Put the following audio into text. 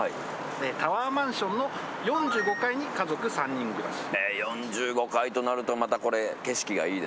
タワーマンションの４５階に家族３人暮らし。